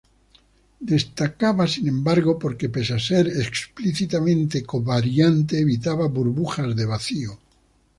Destacaba sin embargo porque, pese a ser explícitamente covariante, evitaba burbujas de vacío.